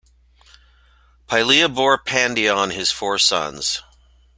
Pylia bore Pandion his four sons.